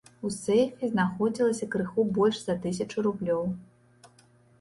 У сейфе знаходзілася крыху больш за тысячу рублёў.